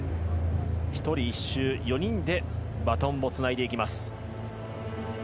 １人１周、４人でバトンをつないでいきます。